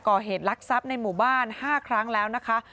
ก่อเหตุลักษัพในหมู่บ้าน๕ครั้งแล้วนะคะ